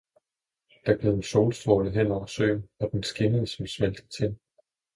Der gled en solstråle hen over søen, og den skinnede som smeltet tin